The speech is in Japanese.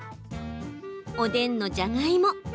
おでんのじゃがいも